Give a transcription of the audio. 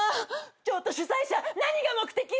ちょっと主催者何が目的よ！